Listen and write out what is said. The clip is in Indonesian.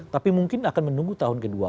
tapi mungkin akan menunggu tahun kedua